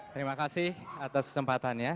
terima kasih atas kesempatan ya